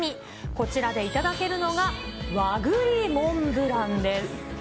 こちらで頂けるのが和栗モンブランです。